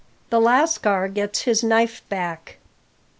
THE LASCAR GETS HIS KNIFE BACK.